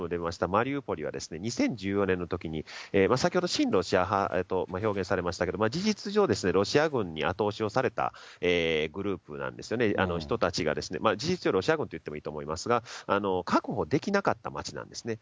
マリウポリは２０１４年のときに、先ほど親ロシア派と表現されましたけど、事実上、ロシア軍に後押しをされたグループなんですよね、人たちが、事実上、ロシア軍と言ってもいいと思いますが、確保できなかった町なんですね。